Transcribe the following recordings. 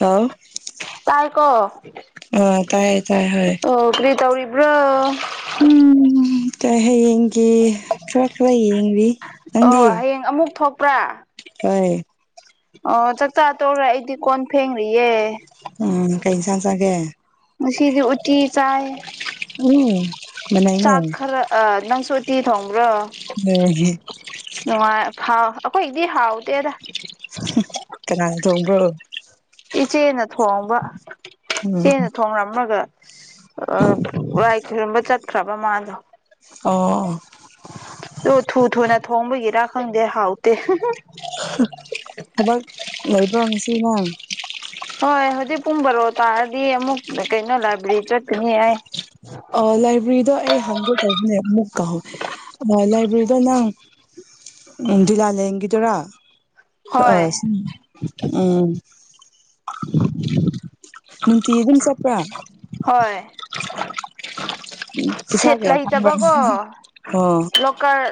ꯑ ꯇꯥꯏꯀꯣ ꯑ ꯇꯥꯏꯌꯦ ꯇꯥꯏ ꯍꯣꯏ ꯑꯣ ꯀꯔꯤ ꯇꯧꯔꯤꯕ꯭ꯔꯣ ꯀ ꯍꯌꯦꯡꯒꯤ ꯈꯔ ꯈꯔ ꯌꯦꯡꯕꯤ ꯑꯣ ꯍꯌꯦꯡ ꯑꯃꯨꯛ ꯊꯣꯛꯄ꯭ꯔꯥ ꯀꯩ ꯑꯣ ꯆꯥꯛꯆꯥ ꯇꯧꯈ꯭ꯔꯦ ꯑꯩꯗꯤ ꯀꯣꯟ ꯐꯦꯡ꯭ꯔꯤꯌꯦꯦ ꯎꯝ ꯀꯩ ꯏꯟꯁꯥꯡ ꯆꯒꯦ ꯁꯤꯗꯤ ꯎꯇꯤ ꯆꯥꯏ ꯎꯝ ꯃꯅꯩꯅꯦ ꯅꯪꯁꯣꯇ ꯊꯥꯎꯝ꯭ꯔꯣ ꯅꯉ ꯍꯥꯎ ꯑꯩꯈꯣꯏꯗꯤ ꯍꯥꯎꯗꯦꯗ ꯀꯅꯥ ꯊꯣꯡꯕꯣ ꯏꯆꯦꯅ ꯊꯣꯡꯕ ꯎꯝ ꯏꯆꯦꯅ ꯊꯣꯡꯂꯝꯃꯒ ꯑ ꯋꯥꯏ ꯈꯔꯝꯕ ꯆꯠꯈ꯭ꯔꯕ ꯃꯥꯗꯣ ꯑꯣ ꯑꯣ ꯑꯣ ꯊꯨ ꯊꯨꯅ ꯊꯣꯡꯕꯒꯤꯔꯥ ꯈꯪꯗꯦ ꯍꯥꯎꯇꯦ ꯊꯕꯛ ꯂꯩꯕ꯭ꯔꯣ ꯉꯁꯤꯅꯦ ꯍꯣꯏ ꯍꯧꯖꯤꯛ ꯄꯨꯡ ꯕꯔꯣ ꯇꯥꯔꯗꯤ ꯑꯃꯨꯛ ꯀꯩꯅꯣ ꯂꯥꯏꯕ꯭ꯔꯦꯔꯤ ꯆꯠꯄꯅꯤ ꯍꯥꯏ [inaudible] ꯑꯥ ꯂꯥꯏꯕ꯭ꯔꯦꯔꯤꯗꯣ ꯑꯩ ꯍꯪꯒꯦ ꯇꯧꯕꯅꯦ ꯑꯃꯨꯛ ꯀꯧꯍꯧ ꯂꯥꯏꯕ꯭ꯔꯦꯔꯤꯗꯣ ꯅꯪ ꯗꯤ ꯂꯥꯂꯡꯒꯤꯗꯔꯥ ꯑ ꯍꯣꯏ ꯎꯝ ꯅꯨꯡꯇꯤ ꯑꯗꯨꯝ ꯆꯄ꯭ꯔ ꯁꯦꯠ ꯀꯌꯥ ꯆꯪꯕ꯭ꯔꯥ ꯂꯩꯇꯕꯀꯣ ꯑꯣ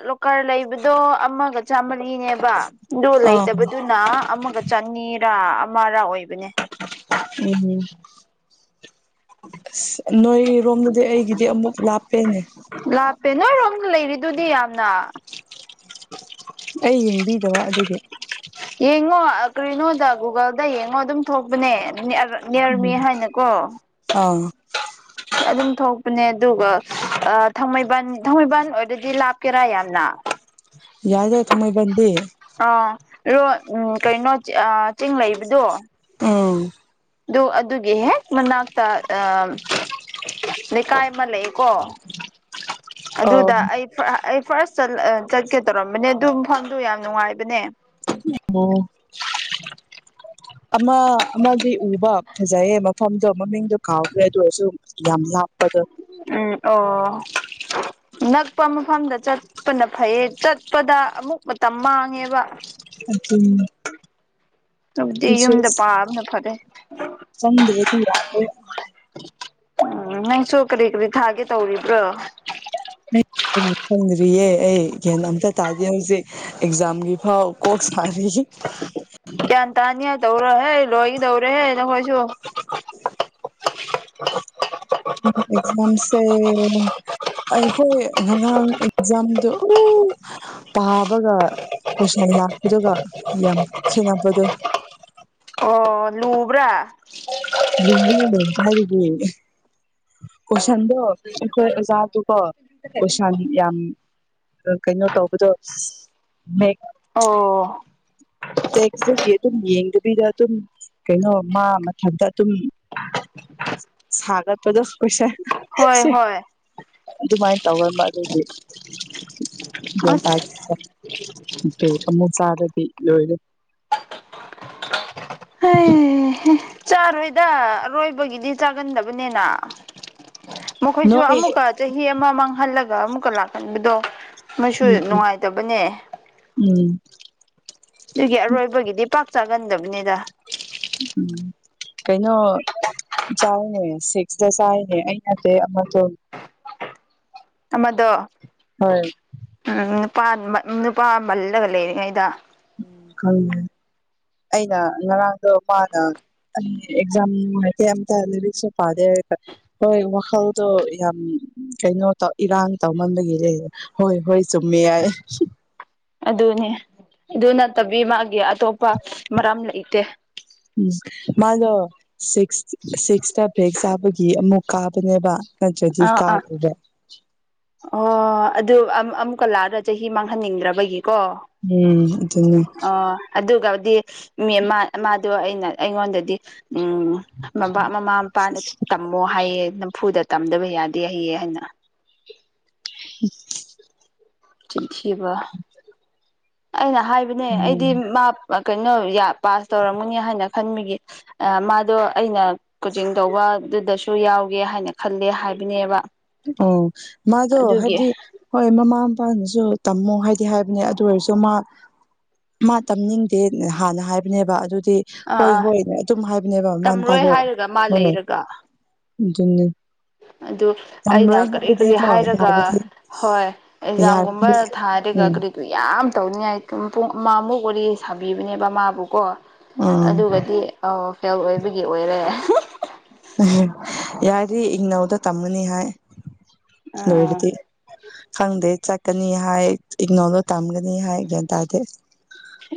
ꯂ ꯀꯔ ꯂꯩꯕꯗꯣ ꯑꯃꯒ ꯆꯥꯝꯃꯔꯤꯅꯦꯕ ꯗꯣ ꯑꯥ ꯂꯩꯇꯕꯗꯨꯅ ꯑꯃꯒ ꯆ ꯑꯅꯤꯔꯥ ꯑꯃꯔꯥ ꯑꯣꯏꯕꯅꯦ ꯎ ꯑꯁ ꯅꯣꯏꯔꯣꯝꯗꯗꯤ ꯑꯩꯒꯤꯗꯤ ꯑꯃꯨꯛ ꯂꯥꯞꯄꯦꯅꯦ ꯂꯥꯞꯄꯦ ꯅꯣꯏꯔꯣꯝꯗ ꯂꯩꯔꯤꯗꯨꯗꯤ ꯌꯥꯝꯅ ꯑꯩ ꯌꯦꯡꯕꯤꯗꯕ ꯑꯗꯨꯒꯤ ꯌꯦꯡꯉꯣ ꯀꯔꯤꯅꯣꯗ ꯒꯨꯒꯜꯗ ꯌꯦꯡꯉꯣ ꯑꯗꯨꯝ ꯊꯣꯛꯄꯅꯦ ꯅꯤꯔꯃꯤ ꯎꯝ ꯍꯥꯏꯅꯀꯣ ꯑꯥ ꯑꯗꯨꯝ ꯊꯣꯛꯄꯅꯦ ꯑꯗꯨꯒ ꯊꯥꯡꯃꯩꯕꯟ ꯊꯥꯡꯃꯩꯕꯟ ꯑꯣꯏꯔꯗꯤ ꯂꯥꯞꯀꯦꯔꯥ ꯌꯥꯝꯅ ꯌꯥꯎꯗ ꯊ ꯃꯥꯏꯕꯗꯤꯦ ꯑ ꯔꯣ ꯎ ꯀꯩꯅꯣ ꯆꯤꯡ ꯂꯩꯕꯗꯣ ꯎꯝ ꯑꯗꯨꯣ ꯑꯗꯨꯒꯤ ꯍꯦꯛ ꯃꯅꯥꯛꯇ ꯑ ꯂꯩꯀꯥꯏ ꯑꯃ ꯂꯩꯀꯣ [inaudible] ꯑꯗꯨꯗ ꯑꯣ ꯑꯩ ꯑꯩ ꯐꯥꯔꯁ ꯆꯠꯀꯦ ꯇꯧꯔꯝꯕꯅꯦ ꯑꯗꯨ ꯃꯐꯝꯗꯨ ꯌꯥꯝ ꯅꯨꯡꯉꯥꯏꯕꯅꯦ ꯑ ꯑꯃ ꯑꯃꯗꯤ ꯎꯕ ꯐꯖꯩꯌꯦ ꯃꯐꯝꯗꯣ ꯃꯃꯤꯡꯗꯣ ꯀꯥꯎꯗ꯭ꯔꯦ ꯑꯗꯨ ꯑꯣꯏꯔꯁꯨ ꯌꯥꯝ ꯂꯥꯛꯄꯗ ꯎꯝ ꯑꯣ ꯅꯛꯄ ꯃꯐꯝꯗ ꯆꯠꯄꯅ ꯐꯩꯌꯦ ꯆꯠꯄꯗ ꯑꯃꯨꯛ ꯃꯇꯝ ꯃꯥꯡꯉꯦꯕ ꯑ ꯑꯗꯨꯕꯨꯗꯤ ꯌꯨꯝꯗ ꯄꯥꯕꯅ ꯐꯔꯦ ꯊꯖꯋꯦꯗꯤ ꯌꯥꯗ ꯎꯝ ꯅꯪꯁꯨ ꯀꯔꯤ ꯀꯔꯤ ꯊꯥꯒꯦ ꯇꯧꯔꯤꯕ꯭ꯔꯣ ꯔꯤ ꯑꯦ ꯇꯥꯖꯦ ꯍꯧꯁꯦ ꯑꯦꯛꯖꯝꯒꯤ ꯍꯥꯎ ꯀꯣ ꯐꯁꯤ ꯇꯧꯔꯍꯦ ꯂꯣꯏꯒ ꯇꯧꯔꯦꯍꯦ ꯅꯪꯈꯣꯏꯁꯨ ꯑꯦꯛꯖꯥꯝꯁꯦ ꯑꯩꯈꯣꯏ ꯉꯔꯥꯡ ꯑꯦꯛꯖꯥꯝꯗꯨꯣ ꯄꯥꯕꯒ ꯀꯣꯏꯁꯟ ꯂꯥꯛꯄꯗꯨꯒ ꯌꯥꯝ ꯌꯥꯝ ꯁꯤ ꯉꯄ ꯑꯗꯨ ꯑꯣ ꯂꯕ꯭ꯔꯥ ꯍꯥꯏꯔꯤꯗꯤ ꯀꯣꯏꯁꯟꯗꯣ ꯑꯩꯈꯣꯏ ꯑꯣꯖꯥ ꯇ ꯀꯣ ꯀꯣꯏꯁꯥꯟ ꯌꯥꯝ ꯀꯩꯅꯣ ꯇꯧꯕꯗꯣ ꯃꯦꯛ ꯑꯣ ꯇꯦꯛꯁꯇꯒꯤ ꯑꯗꯨꯝ ꯌꯦꯡꯗꯕꯤꯗ ꯑꯗꯨꯝ ꯀꯩꯅꯣ ꯃꯥ ꯃꯊꯟꯛꯇ ꯑꯗꯨꯝ ꯁꯥꯒꯠꯄꯗꯣ ꯍꯁ ꯍꯣꯏ ꯍꯣꯏ ꯑꯗꯨꯃꯥꯏꯅ ꯇꯧꯔꯝꯕ ꯑꯗꯨꯗꯤ ꯑꯁ ꯦ ꯀ ꯃꯨ ꯆꯥꯗꯗꯤ ꯌ ꯎꯝ ꯆꯥꯔꯣꯏꯗ ꯑꯔꯣꯏꯕꯒꯤꯗꯤ ꯆꯥꯒꯟꯗꯕꯅꯤꯅ ꯃꯈꯣꯏꯁꯨ ꯅꯣꯏ ꯑꯃꯨꯛꯀ ꯆꯍꯤ ꯑꯃ ꯃꯥꯡꯍꯜꯂꯒ ꯑꯃꯨꯛꯀ ꯂꯥꯛꯍꯟꯕꯗꯣ ꯃꯁꯨ ꯎꯝ ꯅꯨꯡꯉꯥꯏꯇꯕꯅꯦ ꯎꯝ ꯑꯗꯨꯒꯤ ꯑꯔꯣꯏꯕꯒꯤꯗꯤ ꯄꯥꯛ ꯆꯥꯒꯟꯗꯕꯅꯤꯗ ꯎꯝ ꯀꯩꯅꯣ ꯆꯥꯔꯅ ꯁꯤꯁꯇ ꯆꯥꯏꯅꯦ ꯑꯩꯅꯠꯇ ꯑꯃꯠꯇꯣ ꯑꯃꯗꯣ ꯍꯣꯏ ꯎꯝ ꯅꯨ ꯅꯨꯄꯥ ꯃꯜꯂꯒ ꯂꯩꯔꯤꯉꯩꯗ ꯈꯪꯉꯦ ꯑꯩꯅ ꯉꯔꯥꯡꯗꯣ ꯃꯥꯅ ꯑꯦꯛꯖꯥꯝ ꯍꯥꯏ ꯑꯇ ꯂꯤꯔꯤꯛꯁ ꯄꯥꯗꯦ ꯍꯣꯏ ꯋꯥꯈꯜꯗꯣ ꯌꯥꯝ ꯀꯩꯅꯣ ꯇꯧ ꯏꯔꯥꯡ ꯇꯧꯃꯟꯕꯒꯤ ꯍꯣꯏ ꯍꯣꯏ ꯆꯨꯝꯃꯦ ꯌꯥꯏ ꯑꯗꯨꯅꯦ ꯑꯗꯨ ꯅꯠꯇꯕꯤ ꯃꯥꯒꯤ ꯑꯇꯣꯞꯄ ꯃꯔꯝ ꯂꯩꯇꯦ ꯎꯝ ꯃꯥꯗꯣ ꯁꯤꯛꯁ ꯁꯤꯛꯁꯇ ꯦꯛ ꯆꯥꯕꯒꯤ ꯑꯃꯨꯛ ꯀꯥꯕꯅꯦꯕ ꯅꯠꯇ꯭ꯔꯗꯤ ꯑ ꯑꯥ ꯀꯥꯗꯕ ꯑꯣ ꯑꯗꯨ ꯑꯃꯨꯛꯀ ꯂꯥꯛꯑꯗ ꯆꯍꯤ ꯃꯥꯡꯍꯟꯅꯤꯡꯗ꯭ꯔꯕꯒꯤꯀꯣ ꯎꯝ ꯑꯣ ꯑꯗꯨꯒꯗꯤ ꯃꯤ ꯃꯥꯗꯣ ꯑꯩꯅ ꯑꯩꯉꯣꯟꯗꯗꯤ ꯎꯝ ꯃ ꯃꯃꯥ ꯃꯄꯥꯅ ꯇꯝꯃꯣ ꯍꯥꯏꯌꯦ ꯅꯝꯐꯨꯗ ꯇꯝꯗꯕ ꯌꯥꯗꯦ ꯍꯌꯦ ꯍꯥꯏꯅ ꯎ ꯆꯊꯕ ꯑꯩꯅ ꯍꯥꯏꯕꯅꯦ ꯑꯩꯗꯤ ꯎꯝ ꯃꯥ ꯀꯩꯅꯣ ꯄꯥꯁ ꯇꯧꯔꯝꯒꯅꯤ ꯍꯥꯏꯅ ꯈꯟꯕꯒꯤ ꯃꯥꯗꯣ ꯑꯩꯅ ꯀꯣꯆꯤꯡ ꯇꯧꯕ ꯑꯗꯨꯗꯁꯨ ꯌꯥꯎꯒꯦ ꯍꯥꯏꯅ ꯈꯜꯂꯦ ꯍꯥꯏꯕꯅꯦꯕ ꯑꯣ ꯃꯥꯗꯣ ꯑꯗꯨꯒꯤ ꯍꯥꯏꯕꯗꯤ ꯍꯣꯏ ꯃꯃꯥ ꯏꯄꯥꯅꯁꯨ ꯇꯝꯃꯨ ꯍꯥꯏꯗꯤ ꯍꯥꯏꯕꯅꯦ ꯑꯗꯨ ꯑꯣꯏꯔꯁꯨ ꯃꯥ ꯃꯥ ꯇꯝꯅꯤꯡꯗꯦ ꯍꯥꯟꯅ ꯍꯥꯏꯕꯅꯦꯕ ꯑꯗꯨ ꯑꯥ ꯍꯣꯏ ꯑꯥ ꯍꯣꯏ ꯑꯗꯨꯝ ꯍꯥꯏꯕꯅꯦꯕ ꯃꯥꯅ ꯇꯝꯔꯣꯏ ꯇꯥꯖ ꯍꯥꯏꯔꯒ ꯃꯥ ꯍꯣꯏꯣꯏ ꯂꯩꯔꯒ ꯑꯗꯨꯝꯅꯤ ꯑꯗꯨ ꯑꯩꯅ ꯀꯔꯤ ꯀꯔꯤ ꯍꯥꯏꯔꯒ ꯌꯥꯔꯗꯤ ꯍꯣꯏ ꯑꯦꯛꯖꯥꯝꯒꯨꯝꯕ ꯌꯥꯔꯗꯤ ꯊꯥꯔꯒ ꯎꯝ ꯀꯔꯤꯒ ꯌꯥꯝ ꯇꯧꯅꯤꯡꯉꯥꯏ ꯄꯨꯡ ꯃꯥ ꯃꯨꯛ ꯋꯥꯔꯤ ꯁꯥꯕꯤꯕꯅꯦꯕ ꯃꯥꯕꯨꯀꯣ ꯎꯝ ꯑꯗꯨꯒꯗꯤ ꯑ ꯐꯦꯜ ꯑꯣꯏꯕꯒꯤ ꯑꯣꯏꯔꯦ ꯌꯥꯗꯤ ꯏꯪꯅꯧꯗ ꯇꯝꯃꯅꯤ ꯍꯥꯏ ꯑ ꯂꯣꯏꯔꯗꯤ ꯈꯪꯗꯦ ꯆꯠꯀꯅꯤ ꯍꯥꯏ ꯏꯒꯅꯣꯔꯗꯣ ꯇꯝꯒꯅꯤ ꯍꯥꯏ ꯒ꯭ꯌꯥꯟ ꯇꯥꯗꯦ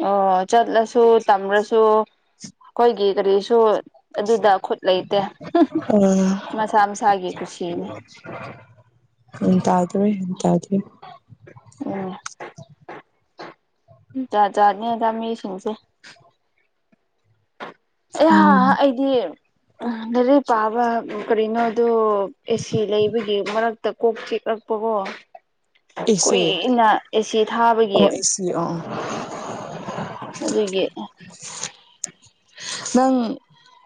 ꯑꯣ ꯆꯠꯂꯁꯨ ꯇꯝꯂꯁꯨ ꯑꯩꯈꯣꯏꯒꯤ ꯀꯔꯤꯁꯨ ꯑꯗꯨꯗ ꯈꯨꯠ ꯂꯩꯇꯦ ꯑ ꯃꯁꯥ ꯃꯁꯥꯒꯤ ꯀꯨꯁꯤꯅꯦ ꯏꯇꯗꯦ ꯏꯗꯦ ꯎꯝ ꯎ ꯆꯥ ꯆꯥꯅꯤ ꯑꯣꯖꯥ ꯃꯤꯁꯤꯡꯁꯦ ꯈꯪꯗꯦ ꯑꯦꯍ ꯑꯩꯗꯤ ꯂꯥꯏꯔꯤꯛ ꯄꯥꯕ ꯀꯔꯤꯅꯣꯗꯣ ꯑꯦꯁꯤ ꯂꯩꯕꯒꯤ ꯃꯔꯛꯇ ꯀꯣꯛ ꯆꯤꯦꯛꯂꯛꯄꯀꯣ ꯑꯦꯁꯦ ꯀꯨꯏꯅ ꯑꯦꯆꯦ ꯊꯥꯕꯒꯤ ꯑꯣ ꯑꯦꯁꯤ ꯑꯣ ꯑꯣ ꯑꯗꯨꯗꯒꯤ ꯅꯪ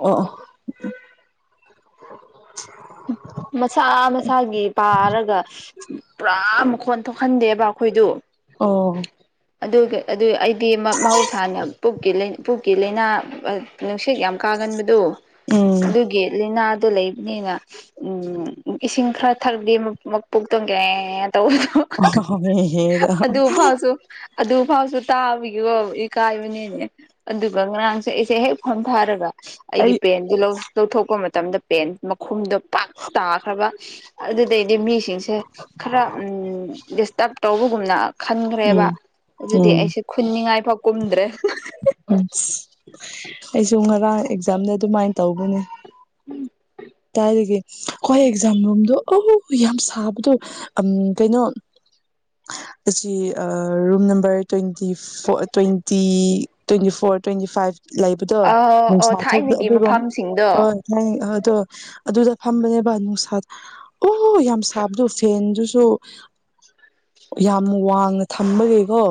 ꯑꯣ ꯃꯁꯥ ꯃꯁꯥꯒꯤ ꯄꯥꯔꯒ ꯄꯨꯔꯥ ꯃꯈꯣꯟ ꯊꯣꯛꯍꯟꯗꯦꯕ ꯑꯩꯈꯣꯏꯗꯨ ꯑꯣ ꯑꯗꯨ ꯑꯗꯨ ꯑꯩꯗꯤ ꯃꯍꯧꯁꯥꯅꯦ ꯄꯨꯛꯀꯤ ꯂꯩ ꯄꯨꯛꯀꯤ ꯂꯥꯏꯅꯥ ꯅꯨꯡꯁꯤꯠ ꯌꯥꯝ ꯀꯥꯒꯟꯕꯗꯣ ꯎꯝ ꯑꯗꯨꯒꯤ ꯂꯥꯏꯅꯥ ꯑꯗꯨ ꯂꯩꯕꯅꯤꯅ ꯎꯝ ꯏꯁꯤꯡ ꯈꯔ ꯊꯛꯗꯤ ꯃꯄꯣꯛ ꯇꯣꯡꯒꯦ ꯇꯧꯕꯗꯣ ꯑꯣ ꯍꯦ ꯍꯦ ꯗꯣ ꯑꯗꯨ ꯐꯥꯎꯁꯨ ꯑꯗꯨꯐꯥꯎꯁꯨ ꯇꯥꯕꯒꯤꯣ ꯏꯀꯥꯏꯕꯅꯦꯅꯦ ꯑꯗꯨꯒ ꯉꯔꯥꯡꯁꯨ ꯑꯩꯁꯦ ꯍꯦꯛ ꯐꯣꯝꯊꯥꯔꯒ ꯑꯩ ꯑꯩꯒꯤ ꯄꯦꯟꯗꯨ ꯂꯧꯊꯣꯛꯄ ꯃꯇꯝꯗ ꯄꯦꯟ ꯃꯈꯨꯝꯗꯣ ꯄꯥꯛ ꯇꯥꯈ꯭ꯔꯕ ꯑꯗꯨꯗꯩꯗꯤ ꯃꯤꯁꯤꯡꯁꯦ ꯈꯔ ꯎ ꯗꯤꯁꯇꯔꯕ ꯇꯧꯕꯒꯨꯝꯅ ꯈꯟꯈ꯭ꯔꯦꯕ ꯎꯝ ꯑꯗꯨꯗꯤ ꯎꯝ ꯑꯩꯁꯦ ꯈꯨꯟꯅꯤꯡꯉꯥꯏꯐꯥꯎ ꯀꯨꯝꯗ꯭ꯔꯦ ꯎꯝ ꯑꯩꯁꯨ ꯉꯔꯥꯡ ꯑꯦꯛꯖꯥꯝꯗ ꯑꯗꯨꯃꯥꯏꯅ ꯇꯧꯕꯅꯦ ꯎꯝ ꯇꯔꯗꯒꯤ ꯑꯩꯣꯏ ꯑꯦꯛꯖꯥꯝ ꯔꯣꯝꯗꯨ ꯑ ꯌꯥꯝ ꯁꯥꯕꯗꯣ ꯎꯝ ꯀꯩꯅꯣ ꯑꯁꯤ ꯔꯨꯝ ꯅꯝꯕꯔ ꯇ꯭ꯋꯦꯟꯇꯤ ꯐ twenty twenty four four twenty five ꯂꯩꯕꯗꯣ ꯑ ꯑꯣ ꯅꯨꯡꯁꯥ ꯊꯥꯏꯅꯒꯤ ꯑꯗꯨꯒꯣꯝ ꯃꯐꯝꯁꯤꯡꯗꯣ ꯍꯣꯏ ꯍꯥꯏ ꯑꯗꯣ ꯑꯗꯨꯗ ꯐꯝꯕꯅꯦꯕ ꯅꯨꯡꯁꯥꯗ ꯑꯣ ꯌꯥꯝ ꯁꯥꯕꯗꯣ ꯐꯦꯟꯗꯨꯁꯨ ꯌꯥꯝ ꯋꯥꯡꯅ ꯊꯝꯕꯒꯦꯀꯣ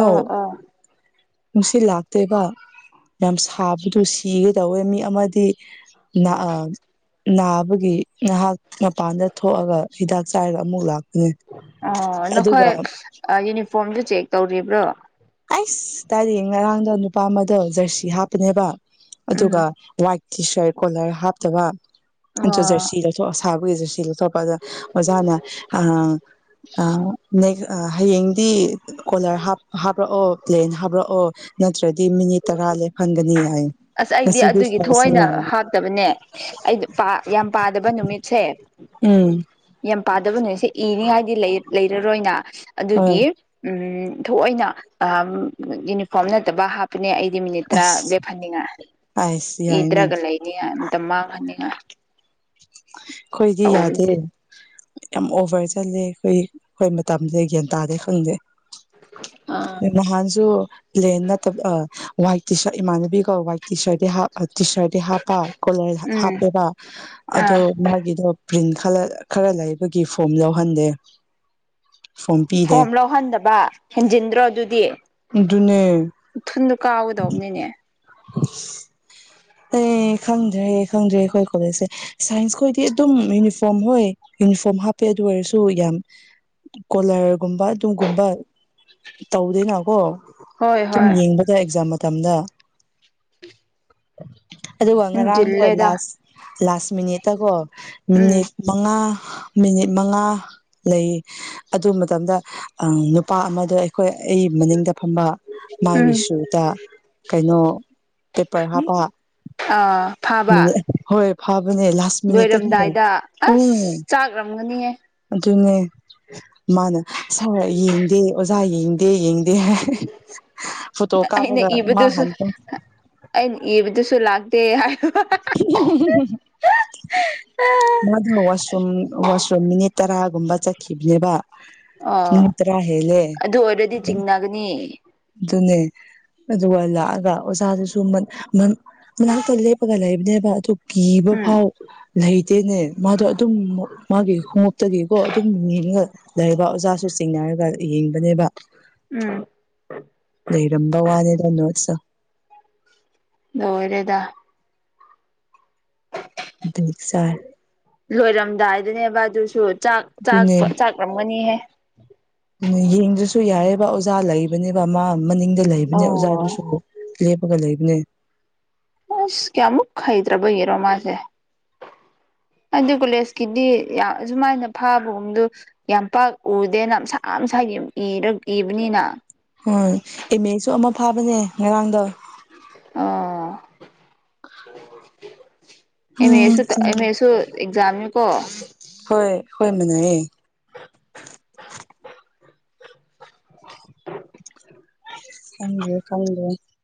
ꯑ ꯑꯣ ꯅꯨꯡꯁꯤꯠ ꯂꯥꯛꯇꯦꯕ ꯌꯥꯝ ꯁꯥꯕꯗꯨ ꯁꯤꯒꯦ ꯇꯧꯋꯦ ꯃꯤ ꯑꯃꯗꯤ ꯂ ꯑ ꯅꯥꯕꯒꯤ ꯉꯍꯥꯛ ꯃꯄꯥꯟꯗ ꯊꯣꯛꯑꯒ ꯍꯤꯗꯥꯛ ꯆꯥꯏꯔꯒ ꯑꯃꯨꯛ ꯂꯥꯛ ꯑꯣ ꯅꯈꯣꯏ ꯌꯨꯅꯤꯐꯣꯔꯝꯗꯨ ꯆꯦꯛ ꯇꯧꯔꯤꯕ꯭ꯔꯣ ꯑꯩꯁ ꯇꯥꯔꯦ ꯉꯔꯥꯡꯗ ꯅꯨꯄꯥ ꯑꯃꯗꯣ ꯖꯔꯁꯤ ꯍꯥꯞꯄꯅꯦꯕ ꯑꯗꯨꯒ ꯎꯝ ꯋꯥꯏꯠ ꯇꯤ ꯁꯔꯠ ꯀꯣꯂꯔ ꯍꯥꯞꯇꯕ ꯑ ꯑꯣ ꯖꯔꯁꯤ ꯂꯧꯊꯣꯛꯑꯁ ꯊꯥꯕꯒꯤꯁꯨ ꯁꯤꯂꯇꯣꯞꯄꯗ ꯑꯣꯖꯥꯅ ꯑꯦꯛ ꯍꯌꯦꯡꯗꯤ ꯀꯣꯂꯔ ꯍꯥ ꯍꯥꯞ ꯍꯥꯞꯄꯔꯛꯑꯣ ꯄ꯭ꯂꯦꯟ ꯍꯥꯞꯔꯛꯑꯣ ꯅꯠꯇ꯭ꯔꯗꯤ ꯃꯤꯅꯤꯠ ꯇꯔꯥ ꯂꯦꯞꯍꯟꯒꯅꯤ ꯍꯥꯏꯌꯦ ꯑꯁ ꯑꯩꯗꯤ ꯉꯁꯤꯗꯤ ꯑꯗꯨꯒꯤ ꯊꯏꯅ ꯐꯔꯁꯅꯦ ꯍꯥꯞꯇꯕꯅꯦ ꯑꯩ ꯌꯥꯝ ꯄꯥꯗꯕ ꯅꯨꯃꯤꯠꯁꯦ ꯎꯝ ꯄꯥꯗꯕꯅꯦꯁꯦ ꯏꯔꯤꯉꯥꯏꯗꯤ ꯂꯩꯔꯔꯣꯏꯅ ꯍꯣꯏ ꯑꯗꯨꯒꯤ ꯎ ꯊꯣꯛꯑꯣꯏꯅ ꯌꯨꯅꯤꯐꯣꯔꯝ ꯅꯠꯇꯕ ꯍꯥꯞꯄꯅꯦ ꯑꯩꯗꯤ ꯃꯤꯅꯤꯠ ꯇꯔꯥ ꯑꯁ ꯍꯅꯤꯡꯉꯥꯏ ꯑꯥꯏꯁ ꯌꯥꯏꯅꯦ ꯏꯗ꯭ꯔꯒ ꯂꯩꯅꯤꯉꯥꯏ ꯃꯇꯝ ꯃꯥꯡꯍꯟꯅꯤꯡꯉꯥꯏ ꯑꯩꯈꯣꯏꯗꯤ ꯌꯥꯗꯦ ꯇꯧꯕꯅꯦ ꯌꯥꯝ ꯑꯣꯚꯔ ꯆꯂꯦ ꯑꯩꯈꯣꯏ ꯑꯩꯈꯣꯏ ꯃꯇꯝꯁꯤꯗ ꯒ꯭ꯌꯥꯟ ꯇꯥꯗꯦ ꯈꯪꯗꯦ ꯅꯍꯥꯟꯁꯨ ꯂꯦꯟ ꯅꯠꯇꯕ ꯋꯥꯏꯠ ꯇꯔ ꯏꯃꯥꯟꯅꯕꯤꯒ ꯋꯥꯏꯠ ꯇꯤ ꯁꯥꯔꯠ ꯇꯤ ꯁꯥꯔꯠꯇꯤ ꯍꯥꯞꯄ ꯀꯣꯂꯔ ꯎꯝ ꯍꯥꯞꯄꯦꯕ ꯑꯗꯣ ꯑꯥ ꯃꯥꯒꯤꯗꯣ ꯄ꯭ꯔꯤꯟ ꯈꯔ ꯂꯩꯕꯒꯤ ꯐꯣꯝ ꯂꯧꯍꯟꯗꯦ ꯐꯣꯝ ꯂꯧꯍꯟꯗꯕ ꯍꯦꯟꯖꯤꯟꯗ꯭ꯔꯣ ꯑꯗꯨꯗꯤ ꯑꯗꯨꯅꯦ ꯊꯨꯟꯗꯣ ꯀꯥꯎꯒꯗꯧꯕꯅꯤꯅꯦ ꯑ ꯑꯩ ꯈꯪꯗ꯭ꯔꯦ ꯈꯪꯗ꯭ꯔꯦ ꯑꯩꯈꯣꯏ ꯀꯣꯂꯦꯖꯁꯦ ꯁꯥꯏꯟꯁ ꯈꯣꯏꯗꯤ ꯑꯗꯨꯝ ꯌꯨꯅꯤꯐꯣꯔꯝ ꯍꯣꯏ ꯌꯨꯅꯤꯐꯣꯔꯝ ꯍꯥꯞꯄꯦ ꯑꯗꯨ ꯑꯣꯏꯔꯁꯨ ꯌꯥꯝ ꯀꯣꯂꯔꯒꯨꯝꯕ ꯑꯗꯨꯒꯨꯝꯕ ꯇꯧꯗꯦꯅꯀꯣ ꯍꯣꯏ ꯑꯗꯨꯨꯝ ꯍꯣꯏ ꯌꯦꯡꯕꯗ ꯑꯦꯛꯖꯥꯝ ꯃꯇꯝꯗ ꯑꯗꯨꯒ ꯉꯔꯥꯡꯗꯣ ꯍꯦꯟꯖꯤꯜꯂꯦꯗ ꯂꯥꯁ ꯂꯥꯁ ꯃꯤꯅꯤꯠꯇꯀꯣ ꯎꯝ ꯃꯤꯅꯤꯠ ꯃꯉꯥ ꯃꯤꯅꯤꯠ ꯃꯉꯥ ꯂꯩ ꯑꯗꯨ ꯃꯇꯝꯗ ꯅꯨꯄꯥ ꯑꯃꯗ ꯑꯩꯈ ꯑꯩꯈꯣꯏ ꯑꯩ ꯃꯅꯤꯡꯗ ꯐꯝꯕ ꯃꯥꯒꯤ ꯎꯝ ꯁꯨꯗ ꯀꯩꯅꯣ ꯄꯦꯄꯔ ꯍꯥꯞ ꯑ ꯑ ꯐꯥꯕ ꯍꯣꯏ ꯅꯦ ꯂꯥꯁ ꯃꯤꯅꯤꯠ ꯂꯣꯏꯔꯝꯗꯥꯏꯗ ꯎꯝ ꯑꯁ ꯆꯥꯛꯔꯝꯒꯅꯤꯌꯦ ꯑꯗꯨꯨꯅꯦ ꯃꯥꯅ ꯁꯥ ꯌꯦꯡꯗꯦ ꯑꯣꯖꯥ ꯌꯦꯡꯗꯦ ꯌꯦꯡꯗꯦ ꯐꯣꯇꯣ ꯑꯩꯅ ꯀꯥꯞꯄꯒ ꯃꯥ ꯍ ꯏꯕꯗꯨꯁꯨ ꯂꯥꯛꯗꯦ ꯍꯥꯏ ꯃꯗꯣ ꯋꯥꯁꯔꯨꯝ ꯋꯥꯁꯔꯨꯝ ꯃꯤꯅꯤꯠ ꯇꯔꯥꯒꯨꯝꯕ ꯆꯠꯈꯤꯕꯅꯦꯕ ꯑꯣ ꯇꯔꯥ ꯍꯦꯜꯂꯦ ꯑꯗꯨ ꯑꯣꯏꯔꯗꯤ ꯆꯤꯡꯅꯒꯅꯤ ꯑꯗꯨꯅꯦ ꯑꯗꯨꯒ ꯂꯥꯛꯑꯒ ꯑꯣꯖꯥꯗꯨꯁꯨ ꯃꯅꯥꯛꯇ ꯂꯦꯞꯄꯒ ꯂꯩꯕꯅꯦꯕ ꯑꯗꯨ ꯀꯤꯕ ꯎꯝ ꯐꯥꯎ ꯂꯩꯇꯦꯅꯦ ꯃꯥꯗꯣ ꯑꯗꯨꯝ ꯃꯥꯒꯤ ꯈꯣꯡꯎꯞꯇꯒꯤꯀꯣ ꯑꯗꯨꯝ ꯌꯦꯡꯉ ꯂꯩꯔꯤꯕ ꯑꯣꯖꯥꯁꯨ ꯆꯤꯡꯅꯔꯒ ꯌꯦꯡꯕꯅꯦꯕ ꯎꯝ ꯂꯩꯔꯝꯕ ꯋꯥꯅꯤꯗ ꯅꯣꯠꯁꯇꯣ ꯂꯣꯏ ꯔꯦꯗꯥ ꯁꯔ ꯑꯗꯨꯅꯦꯕ ꯑꯗꯨꯁꯨ ꯆꯥꯛ ꯆꯥꯛ ꯆꯥꯛꯂꯝꯒꯅꯤꯍꯦ ꯑꯗꯨ ꯌꯦꯡꯗ꯭ꯔꯁꯨ ꯌꯥꯔꯦꯕ ꯑꯣꯖꯥ ꯂꯩꯕꯅꯦꯕ ꯑꯃ ꯃꯅꯤꯡꯗ ꯂꯩꯕꯅꯦ ꯑꯣ ꯑꯣꯖꯥꯗꯨꯁꯨ ꯂꯦꯞꯄꯒ ꯂꯩꯕꯅꯦ ꯑꯁ ꯀꯌꯥꯃꯨꯛ ꯍꯩꯗꯇꯔꯥꯕꯔꯣ ꯃꯥꯁꯦ [unintelligible] ꯑꯗꯨ ꯀꯣꯂꯦꯖꯀꯤꯗꯤ ꯑꯁꯨꯃꯥꯏꯅ ꯐꯥꯕꯒꯨꯝꯗ ꯌꯥꯝ ꯄꯥꯛ ꯎꯗꯦꯅꯁꯥ ꯁꯥ ꯏꯔ ꯏꯕꯅꯤꯅ ꯍ ꯑꯦꯝ ꯑꯦꯁꯨ ꯑꯃ ꯐꯥꯕꯅꯦ ꯉꯔꯥꯡꯗ ꯑ ꯎꯝ ꯑꯥꯃꯦꯁꯨ ꯈꯪꯗꯦ ꯑꯃꯦꯁꯨ ꯑꯦꯛꯖꯝ ꯀꯣ ꯍꯣꯏ ꯍꯣꯏ ꯃꯅꯩꯌꯦ ꯈꯪꯗꯦ ꯈꯪꯗꯦ